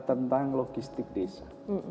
tentang logistik desa